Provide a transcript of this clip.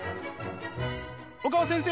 小川先生